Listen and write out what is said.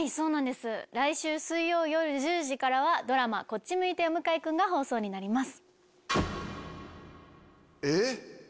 来週水曜夜１０時からはドラマ『こっち向いてよ向井くん』が放送になります。